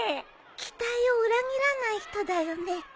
期待を裏切らない人だよね。